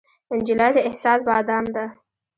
نجلۍ د احساس بادام ده.